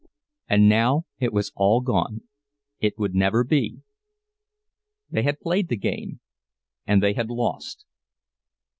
And now it was all gone—it would never be! They had played the game and they had lost.